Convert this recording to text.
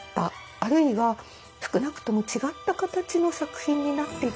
あるいは少なくとも違った形の作品になっていた。